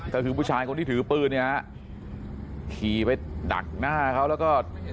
ก็คือผู้ชายคนที่ถือปืนเนี่ยฮะขี่ไปดักหน้าเขาแล้วก็